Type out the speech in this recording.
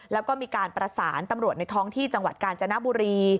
แล้วก็มีการประสานตำรวจในท้องที่จังหวัดกาญจนบุรี